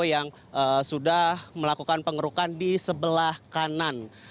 yang sudah melakukan pengerukan di sebelah kanan